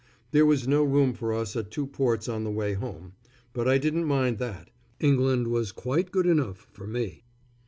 There was no room for us at two ports on the way home; but I didn't mind that. England was quite good enough for me.